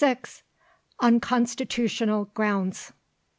ON CONSTITUTIONAL GROUNDS.